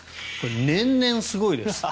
年々すごいです。